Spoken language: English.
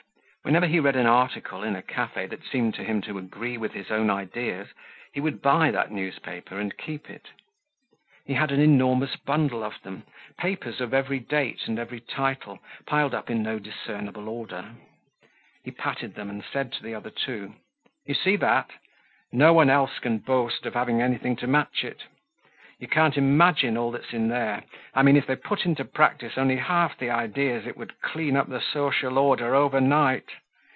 Whenever he read an article in a cafe that seemed to him to agree with his own ideas, he would buy that newspaper and keep it. He had an enormous bundle of them, papers of every date and every title, piled up in no discernable order. He patted them and said to the other two: "You see that? No one else can boast of having anything to match it. You can't imagine all that's in there. I mean, if they put into practice only half the ideas, it would clean up the social order overnight.